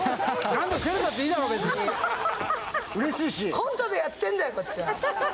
コントでやってんだよ、こっちは。